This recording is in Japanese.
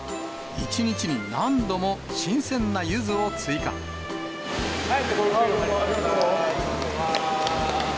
１日に何度も新鮮なゆずを追ありがとう。